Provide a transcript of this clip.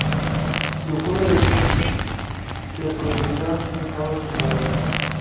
Si ocurre esto, se producirá un caos en la red.